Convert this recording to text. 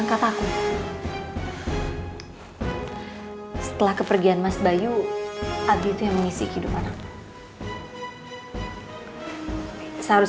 apakah sama goknya lu gitu kau